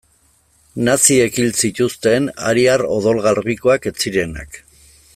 Naziek hil zituzten ariar odol garbikoak ez zirenak.